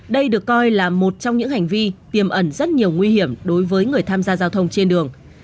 đây được coi là một trong những hành vi tiềm ẩn rất nhiều nguy hiểm đối với người tham gia giao thông trên đường